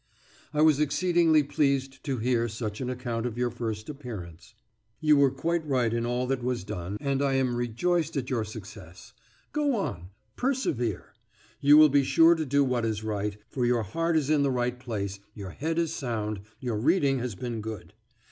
I was exceedingly pleased to hear such an account of your first appearance. You were quite right in all that was done, and I am rejoiced at your success. Go on; persevere. You will be sure to do what is right, for your heart is in the right place, your head is sound, your reading has been good.